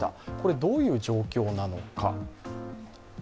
どういう状況なのか。